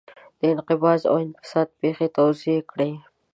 د انقباض او انبساط پېښې توضیح کړئ.